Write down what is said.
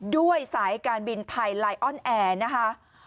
ด้วยสายการบินไทยไลออนแอร์นะคะ